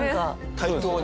対等に。